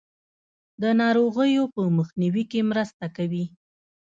د ناروغیو په مخنیوي کې مرسته کوي.